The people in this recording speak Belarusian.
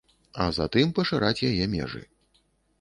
А затым пашыраць яе межы.